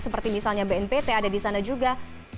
seperti misalnya bnpt ada di sana juga